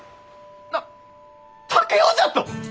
なっ竹雄じゃと！？